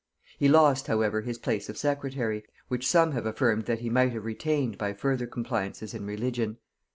He lost however his place of secretary, which some have affirmed that he might have retained by further compliances in religion.